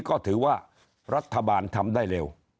ก็ถือว่ารัฐบาลทำได้เร็ว